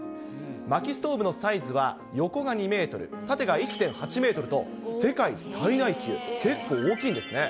まきストーブのサイズは、横が２メートル、縦が１．８メートルと、世界最大級、結構大きいんですね。